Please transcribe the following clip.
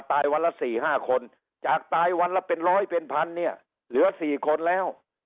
ตายวันละ๔๕คนจากตายวันละเป็นร้อยเป็นพันเนี่ยเหลือ๔คนแล้ว